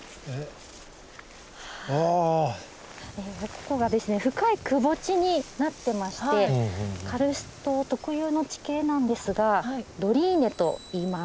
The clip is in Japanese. ここがですね深いくぼ地になってましてカルスト特有の地形なんですがドリーネといいます。